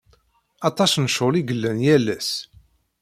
Aṭas n ccɣel i yellan yal ass.